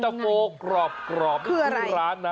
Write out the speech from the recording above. เย็นตะโฟกรอบที่ร้านน่ะ